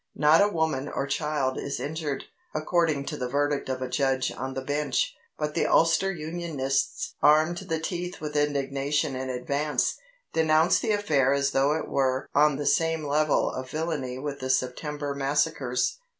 Not a woman or child is injured, according to the verdict of a judge on the bench, but the Ulster Unionists, armed to the teeth with indignation in advance, denounce the affair as though it were on the same level of villainy with the September Massacres.